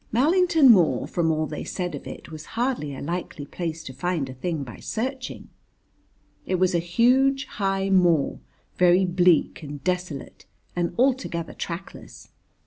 Mallington Moor, from all that they said of it, was hardly a likely place to find a thing by searching. It was a huge high moor, very bleak and desolate and altogether trackless.